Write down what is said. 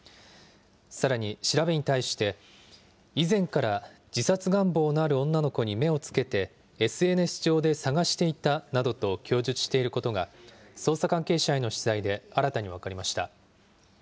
さらに調べに対して、以前から自殺願望のある女の子に目をつけて、ＳＮＳ上で探していたなどと供述していることが捜査関係者への取材で新たに分かりました。